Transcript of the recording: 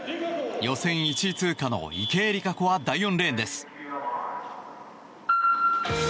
予選１位通過の池江璃花子は第４レーンです。